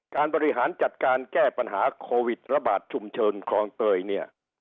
บริหารจัดการแก้ปัญหาโควิดระบาดชุมชนคลองเตยเนี่ย